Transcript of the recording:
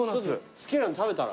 好きなの食べたら？